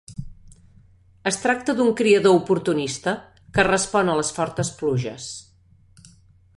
Es tracta d'un criador oportunista que respon a les fortes pluges.